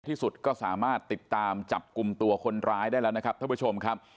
ที่สุดก็สามารถติดตามจับกลุ่มตัวคนร้ายได้แล้วนะครับท่านผู้ชมครับ